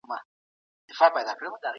دغه کوچنی باید اوس بېدېدلی وای.